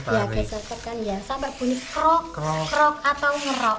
sabar bunyi krok krok atau ngerok